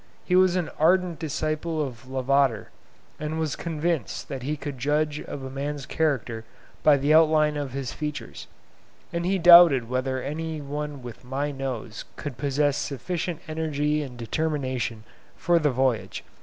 He was an ardent disciple of Lavater, and was convinced that he could judge of a man's character by the outline of his features; and he doubted whether any one with my nose could possess sufficient energy and determination for the voyage.